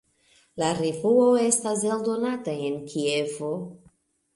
La revuo estas eldonata en Kievo.